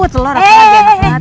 waduh lo raksa lagi enak banget